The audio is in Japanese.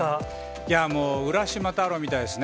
いやもう、浦島太郎みたいですね。